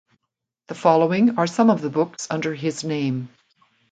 The following are some of the books under his name.